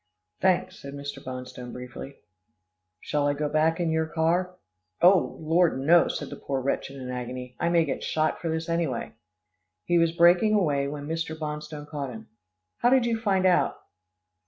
"Thanks," said Mr. Bonstone briefly. "Shall I go back in your car?" "Oh! Lord, no," said the poor wretch in an agony. "I may get shot for this, anyway." He was breaking away, when Mr. Bonstone caught him. "How did you find out?"